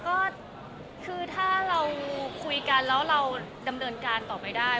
ก็คือถ้าเราคุยกันแล้วเราดำเนินการต่อไปได้